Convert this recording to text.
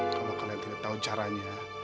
kalau kalian tidak tahu caranya